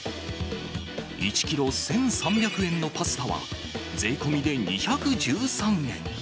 １キロ１３００円のパスタは、税込みで２１３円。